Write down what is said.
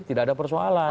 tidak ada persoalan